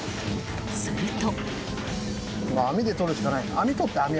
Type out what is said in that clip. すると。